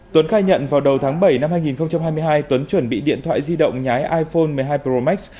tuấn khai nhận vào đầu tháng bảy năm hai nghìn hai mươi hai tuấn chuẩn bị điện thoại di động nhái iphone một mươi hai pro max